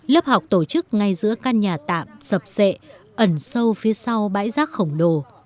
lớp học tổ chức ngay giữa căn nhà tạm sập sệ ẩn sâu phía sau bãi rác khổng đồ